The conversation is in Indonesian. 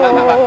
mbak mbak mbak